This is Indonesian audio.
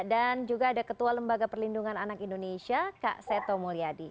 dan juga ada ketua lembaga perlindungan anak indonesia kak seto mulyadi